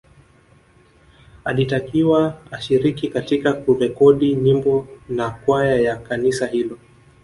Alitakiwa ashiriki katika kurekodi nyimbo na kwaya ya kanisa hilo